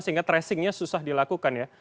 sehingga tracing nya susah dilakukan ya